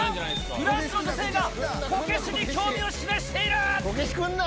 フランスの女性がこけしに興味を示している。